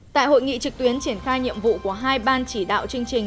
tại hội nghị trực tuyến triển khai nhiệm vụ của hai ban chỉ đạo chương trình